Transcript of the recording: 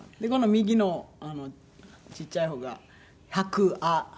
この右のちっちゃい方が博愛。